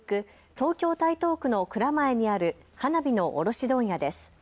東京台東区の蔵前にある花火の卸問屋です。